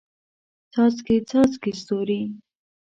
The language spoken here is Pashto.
څاڅکي، څاڅکي ستوري